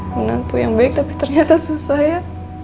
menantu yang baik tapi ternyata susah ya